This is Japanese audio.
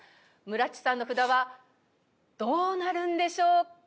むらっちさんの札はどうなるんでしょうか？